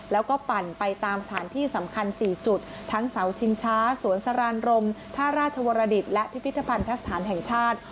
แล้วก็ปั่นไปตามสถานที่สำคัญ๔จุดทั้งเสาชิงช้าสวนสรานรมท่าราชวรดิตและพิพิธภัณฑสถานแห่งชาติ